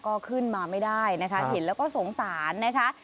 ก็ขึ้นมาไม่ได้นะคะเห็นแล้วก็สงสารนะคะ